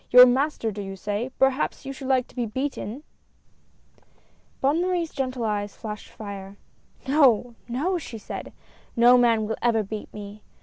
"Your master, do you say? Perhaps you would like to be beaten !" 44 D R E A M S . Bonne Marie's gentle eyes flashed fire. "No! no!" she said, "no man will ever beat me.